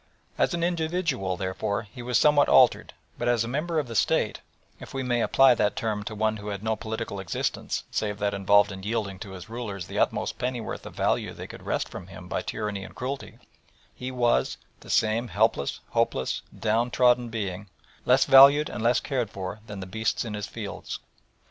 As an individual, therefore, he was somewhat altered, but as a member of the State if we may apply that term to one who had no political existence save that involved in yielding to his rulers the utmost pennyworth of value they could wrest from him by tyranny and cruelty he was the same helpless, hopeless, downtrodden being, less valued and less cared for than the beasts in his fields.